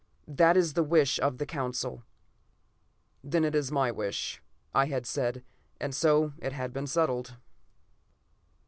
That is the wish of the Council." "Then it is my wish," I had said, and so it had been settled.